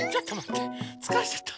つかれちゃった。